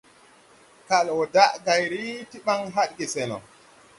Kal wɔ daʼ gay ri ti ɓaŋ hadge se no.